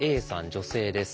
女性です。